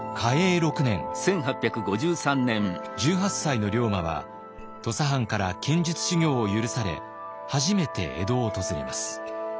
１８歳の龍馬は土佐藩から剣術修行を許され初めて江戸を訪れます。